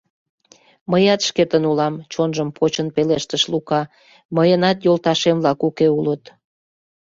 — Мыят шкетын улам, — чонжым почын пелештыш Лука, — мыйынат йолташем-влак уке улыт.